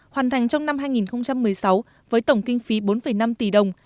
hoàn thành trong năm hai nghìn một mươi sáu với tổng kinh phí bốn năm tỷ đồng